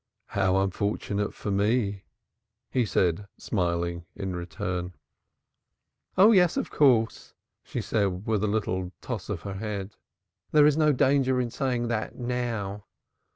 "How unfortunate for me!" he said, smiling in return. "Oh yes, of course!" she said with a little toss of her head. "There is no danger in saying that now."